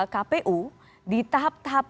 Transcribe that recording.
kpu di tahap tahap